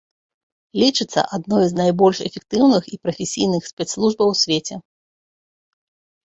Лічыцца адной з найбольш эфектыўных і прафесійных спецслужбаў у свеце.